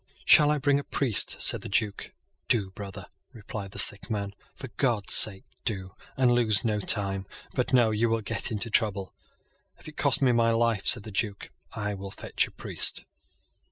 "Shall I bring a priest?" said the Duke. "Do, brother," replied the Sick man. "For God's sake do, and lose no time. But no; you will get into trouble." "If it costs me my life," said the Duke, "I will fetch a priest."